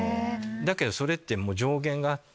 だけどそれって上限があって。